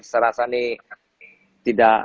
serasa ini tidak